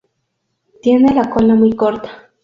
Tiene la cola muy corta.